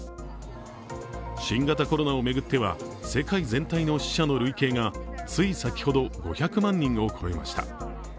新型コロナを巡っては世界全体の死者の累計がつい先ほど５００万人を超えました。